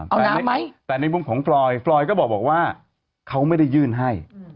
เอาน้ำไหมแต่ในมุมของฟรอยก็บอกว่าเขาไม่ได้ยืนให้